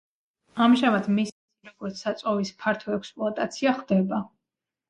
ამჟამად მისი, როგორც საწვავის ფართო ექსპლუატაცია ხდება.